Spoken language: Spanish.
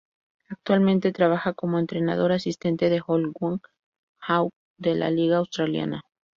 Actualmente trabaja como entrenador asistente de Wollongong Hawks de la liga australiana.